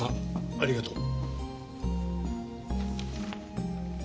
ありがとう。